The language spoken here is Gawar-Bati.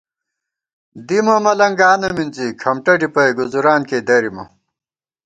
دِیمہ ملَنگانہ مِنزی، کھمٹہ ڈِپَئ ،گُزُران کېئ درِیمہ